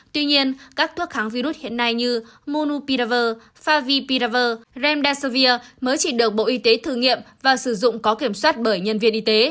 tuy nhiên các thuốc kháng virus hiện nay như monupiravir favipiravir remdesivir mới chỉ được bộ y tế thử nghiệm và sử dụng có kiểm soát bởi nhân viên y tế